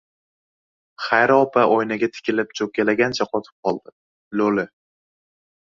Xayri opa oynaga tikilib cho‘kkalagancha qotib qoldi. Lo‘li